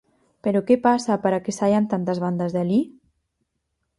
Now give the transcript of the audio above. Pero que pasa para que saian tantas bandas de alí?